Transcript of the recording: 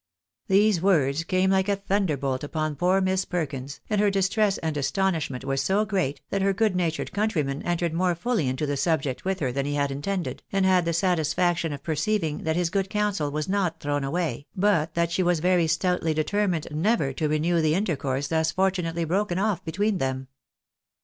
These words came like a thunderbolt upon poor Miss Perkins, and her distress and astonishment were so great, that her good natured countryman entered more fully into the subject with her than he had intended, and had the satisfaction of perceiving that his good counsel was not thrown away, but that she was very stoutly determined never to renew the intercourse thus fortunately broken oflf between them.